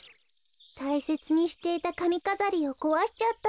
たいせつにしていたかみかざりをこわしちゃったの。